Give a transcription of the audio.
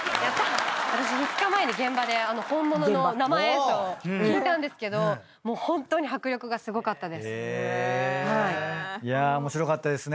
私２日前に現場で本物の生演奏聴いたんですけどもうホントに迫力がすごかったです。